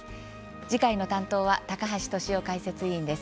次回の担当は高橋俊雄解説委員です。